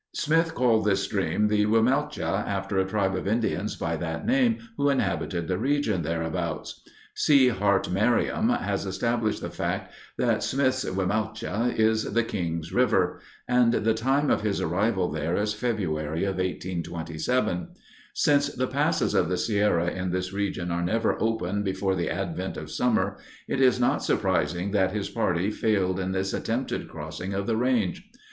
Smith called this stream the Wimmelche after a tribe of Indians by that name who inhabited the region thereabouts. C. Hart Merriam has established the fact that Smith's "Wimmelche" is the Kings River, and the time of his arrival there as February of 1827. Since the passes of the Sierra in this region are never open before the advent of summer, it is not surprising that his party failed in this attempted crossing of the range.